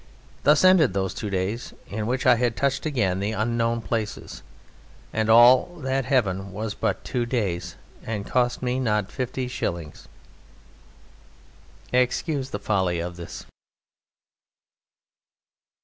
Thus ended those two days, in which I had touched again the unknown places and all that heaven was but two days, and cost me not fifty shillings. Excuse the folly of this.